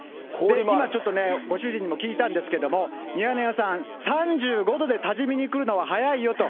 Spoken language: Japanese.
今ちょっとね、ご主人にも聞いたんですけれども、ミヤネ屋さん、３５度で多治見に来るのは早いよと。